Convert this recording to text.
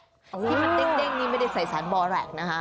ที่มันเด้งนี่ไม่ได้ใส่สารบอแร็กนะคะ